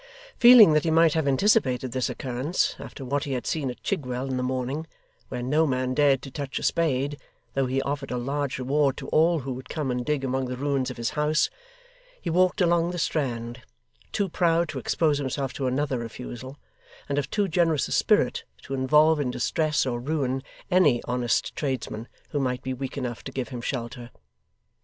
Feeling that he might have anticipated this occurrence, after what he had seen at Chigwell in the morning, where no man dared to touch a spade, though he offered a large reward to all who would come and dig among the ruins of his house, he walked along the Strand; too proud to expose himself to another refusal, and of too generous a spirit to involve in distress or ruin any honest tradesman who might be weak enough to give him shelter.